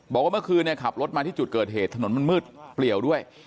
บอกว่าเมื่อคืนเนี่ยขับรถมาที่จุดเกิดเหตุถนนมันมืดเปลี่ยวด้วย